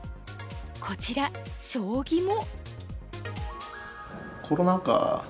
こちら将棋も。